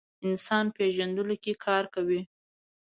انسان پېژندلو کې کاروي.